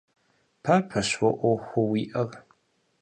Папэщ уэ Ӏуэхуу уиӀэр.